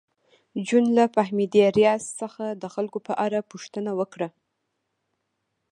جون له فهمیدې ریاض څخه د خلکو په اړه پوښتنه وکړه